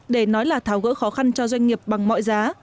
để nói là tháo gỡ khó khăn cho doanh nghiệp bằng mọi giá